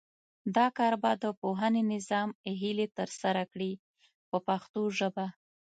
دا کار به د پوهنې نظام هیلې ترسره کړي په پښتو ژبه.